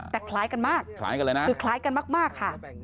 แต่คล้ายกันมาก